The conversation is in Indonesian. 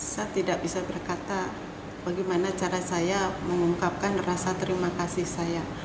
saya tidak bisa berkata bagaimana cara saya mengungkapkan rasa terima kasih saya